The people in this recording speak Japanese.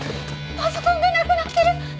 パソコンがなくなってる。